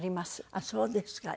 あっそうですか。